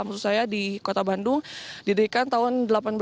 maksud saya di kota bandung didirikan tahun seribu delapan ratus sembilan puluh